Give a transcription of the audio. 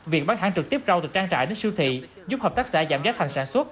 việc bán hàng trực tiếp rau từ trang trại đến siêu thị giúp hợp tác xã giảm giá thành sản xuất